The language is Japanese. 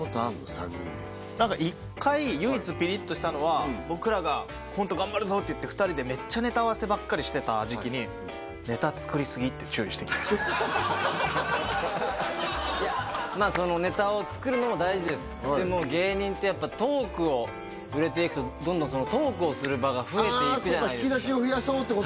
３人で何か一回唯一ピリッとしたのは僕らがコント頑張るぞって言って２人でめっちゃネタ合わせばっかりしてた時期に「ネタ作りすぎ」って注意してきたいやまあそのネタを作るのも大事ですでも芸人ってやっぱトークを売れていくとトークをする場が増えていくじゃないですか